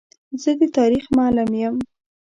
زه د تاریخ معلم یم.